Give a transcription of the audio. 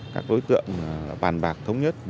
các đối tượng bàn bạc thống nhất